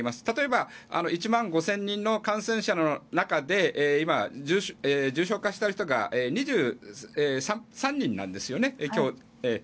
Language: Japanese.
例えば１万５０００人の感染者の中で重症化している人が２３人なんですよね。